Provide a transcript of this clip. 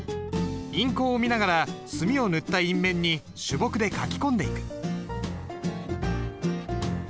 印稿を見ながら墨を塗った印面に朱墨で書き込んでいく。